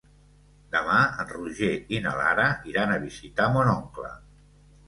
Demà en Roger i na Lara iran a visitar mon oncle.